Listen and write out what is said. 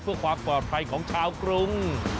เพื่อความปลอดภัยของชาวกรุง